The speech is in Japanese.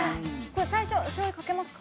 最初、しょうゆかけますか？